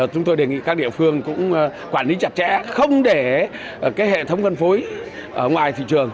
chúng tôi đề nghị các địa phương cũng quản lý chặt chẽ không để hệ thống phân phối ở ngoài thị trường